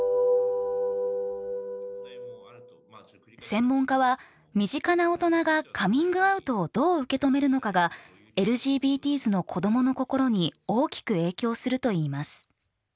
専門家は身近な大人がカミングアウトをどう受け止めるのかがＬＧＢＴｓの子どもの心に大きく影響するといいます。